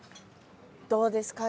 どうですか？